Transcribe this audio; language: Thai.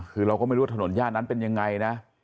คือเราก็ไม่รู้ว่าถนนย่านนั้นเป็นยังไงนะ